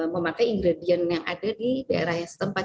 memakai ingredient yang ada di daerah yang setempat